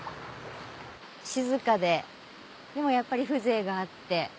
静かででもやっぱり風情があって。